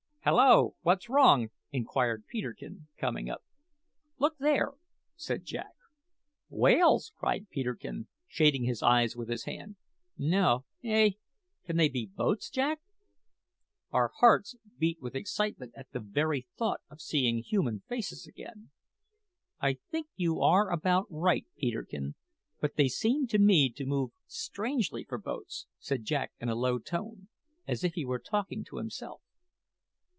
"Hallo! what's wrong?" inquired Peterkin, coming up. "Look there," said Jack. "Whales!" cried Peterkin, shading his eyes with his hand. "No eh can they be boats, Jack?" Our hearts beat with excitement at the very thought of seeing human faces again. "I think you are about right, Peterkin. But they seem to me to move strangely for boats," said Jack in a low tone, as if he were talking to himself.